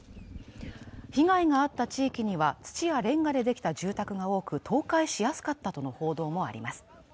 被害があった地域には土やれんがでできた住宅が多く倒壊しやすかったとの報道もあります。